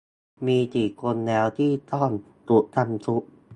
มีกี่คนแล้วที่ต้องถูกจำคุก